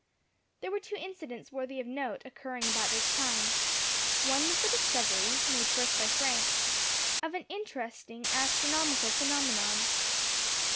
There were two incidents worthy of note occurring about this time. One was the discovery, made first by Frank, of an interesting astronomical phenomenon.